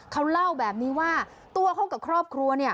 เขาเล่าแบบนี้ว่าตัวเขากับครอบครัว